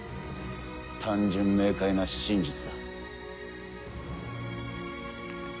単純明快な真実だ。